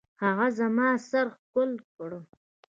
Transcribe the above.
هغه زما سر ښکل کړ.